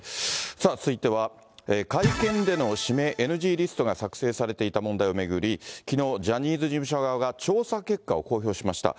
続いては、会見での指名ＮＧリストが作成されていた問題を巡り、きのう、ジャニーズ事務所側が調査結果を公表しました。